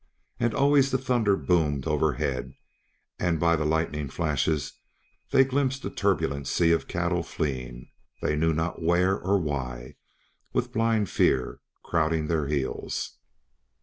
And always the thunder boomed overhead, and by the lightning flashes they glimpsed the turbulent sea of cattle fleeing, they knew not where or why, with blind fear crowding their heels.